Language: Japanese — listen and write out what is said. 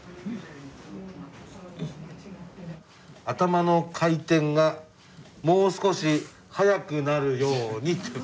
「頭の回転がもう少し早くなる様に」ということで。